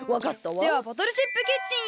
ではボトルシップキッチンへ！